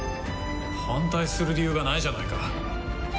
反対する理由がないじゃないか！